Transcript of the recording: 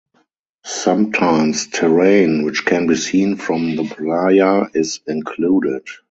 Sometimes terrain which can be seen from the playa is included.